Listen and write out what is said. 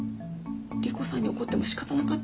莉湖さんに怒っても仕方なかった。